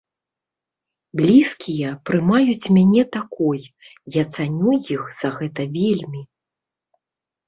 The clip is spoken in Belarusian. Блізкія прымаюць мяне такой, я цаню іх за гэта вельмі.